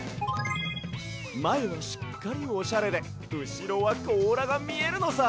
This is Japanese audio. まえはしっかりオシャレでうしろはこうらがみえるのさ！